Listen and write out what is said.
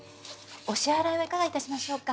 お支払いはいかが致しましょうか？